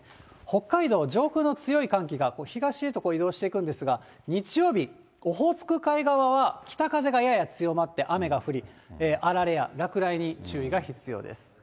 北海道、上空の強い寒気が東へと移動していくんですが、日曜日、オホーツク海側は、北風がやや強まって雨が降り、あられや落雷に注意が必要です。